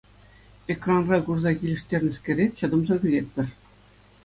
Экранра курса килӗштернӗскере чӑтӑмсӑррӑн кӗтетпӗр.